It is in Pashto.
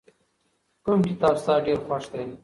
کوم کتاب ستا ډېر خوښ دی؟